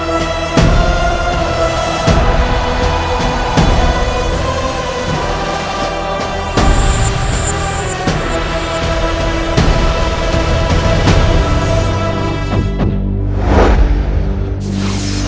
masuklah ke dalam